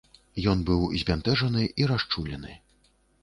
Ён быў збянтэжаны і расчулены.